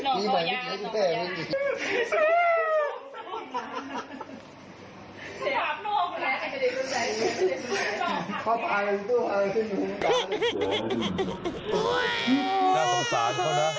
น่าสงสารเขานะ